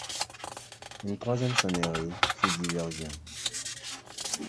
Une troisième sonnerie fit diversion.